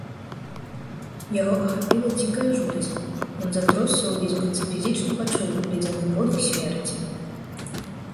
Яго ахапіла дзікая жудасць, ён затросся ўвесь, быццам фізічна пачуў ледзяны подых смерці.